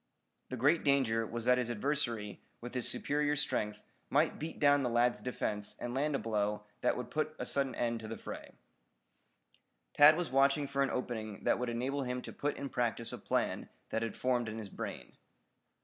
The great danger was that his adversary with his superior strength might beat down the lad's defense and land a blow that would put a sudden end to the fray. Tad was watching for an opening that would enable him to put in practice a plan that had formed in his brain.